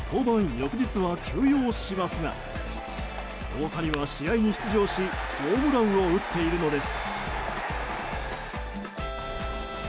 翌日は休養しますが大谷は試合に出場しホームランを打っているのです。